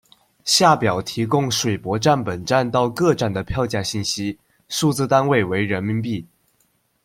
下表提供水泊站本站到各站的票价信息，数字单位为人民币。